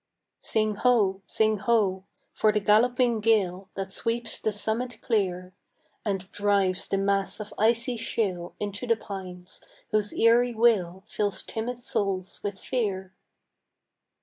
Sing ho, sing ho, for the galloping gale That sweeps the summit clear, And drives the mass of icy shale Into the pines, whose eery wail Fills timid souls with fear!